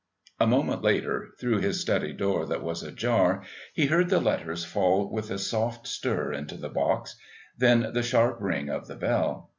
A moment later, through his study door that was ajar, he heard the letters fall with a soft stir into the box, then the sharp ring of the bell.